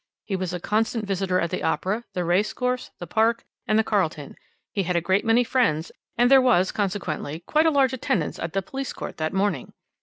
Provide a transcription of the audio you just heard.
He was a constant visitor at the opera, the racecourse, the Park, and the Carlton, he had a great many friends, and there was consequently quite a large attendance at the police court that morning.